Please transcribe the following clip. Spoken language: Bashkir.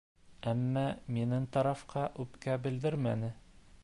Әммә минең тарафҡа үпкә белдермәне.